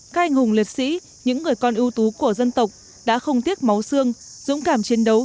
các anh hùng liệt sĩ những người con ưu tú của dân tộc đã không tiếc máu xương dũng cảm chiến đấu